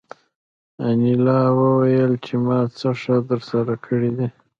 انیلا وویل چې ما څه ښه درسره کړي دي